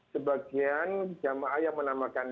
sebagian jamaah yang menamakan